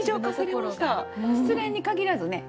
失恋に限らずね